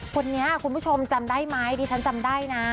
คุณผู้ชมจำได้ไหมดิฉันจำได้นะ